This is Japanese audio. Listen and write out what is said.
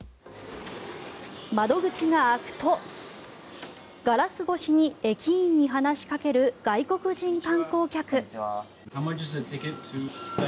窓口が開くと、ガラス越しに駅員に話しかける外国人観光客。